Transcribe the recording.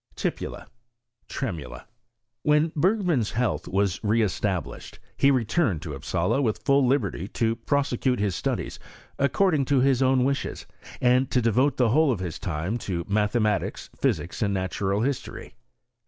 Tipula. Tremula. When Bergman's health was re established, hft returned to Upsala with full liberty to prosecute his studies according to his own wishes, and to de vote the whole of his time to mathematics, physics, and natural history.